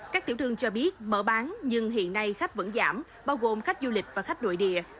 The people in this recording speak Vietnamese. các tiểu thương cho biết mở bán nhưng hiện nay khách vẫn giảm bao gồm khách du lịch và khách nội địa